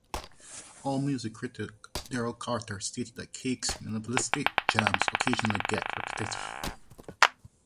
AllMusic critic Darryl Cater stated that Cake's minimalist jams occasionally get repetitive.